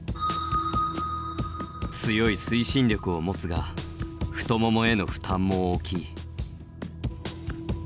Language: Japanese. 強い推進力を持つが太ももへの負担も大きい。